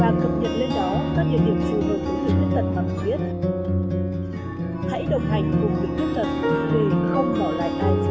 và cập nhật lên đó các dạng điểm chủ đề của người khuyết tật bằng viết